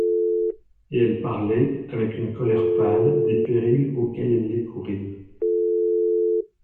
Et elle parlait, avec une colère pâle, des périls auxquels il allait courir.